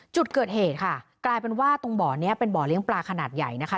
จุดเกิดเหตุค่ะกลายเป็นว่าตรงบ่อนี้เป็นบ่อเลี้ยงปลาขนาดใหญ่นะคะ